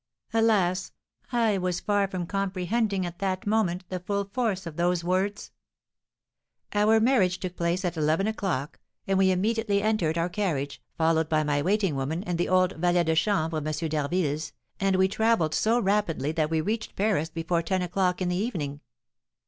Alas, I was far from comprehending at that moment the full force of those words! Our marriage took place at eleven o'clock, and we immediately entered our carriage, followed by my waiting woman and the old valet de chambre of M. d'Harville's, and we travelled so rapidly that we reached Paris before ten o'clock in the evening.